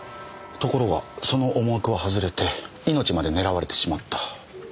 ところがその思惑は外れて命まで狙われてしまった。